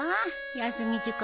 休み時間